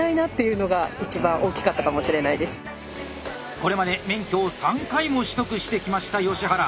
これまで免許を３回も取得してきました吉原。